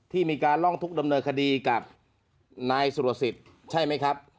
ที่มีการร้องทุกข์ดำเนินคดีกับนายสุรสิทธิ์ใช่ไหมครับ